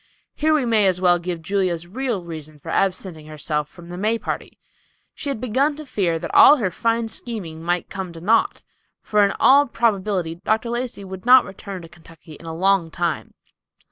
Here we may as well give Julia's real reason for absenting herself from the May party. She had begun to fear that all her fine scheming might come to naught; for in all probability Dr. Lacey would not return to Kentucky in a long time.